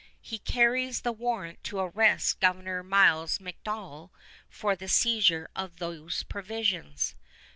He carries the warrant to arrest Governor Miles MacDonell for the seizure of those provisions.